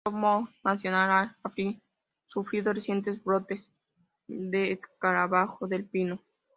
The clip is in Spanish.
El Rocky Mountain National Park ha sufrido recientes brotes de escarabajo del pino.